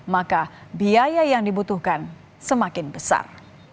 maka biaya yang dibutuhkan semakin besar